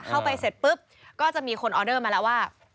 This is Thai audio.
เสร็จปุ๊บก็จะมีคนออเดอร์มาแล้วว่า